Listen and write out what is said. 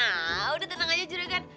ah udah tenang aja juragan